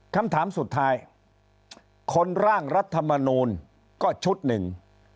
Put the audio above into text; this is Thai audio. คำถามสุดท้ายคนร่างรัฐมนูลก็ชุดหนึ่ง